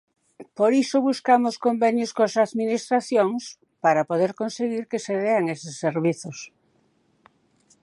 Por iso buscamos convenios coas administracións para poder conseguir que se dean eses servizos.